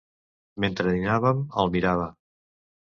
Mentre dinàvem, el mirava.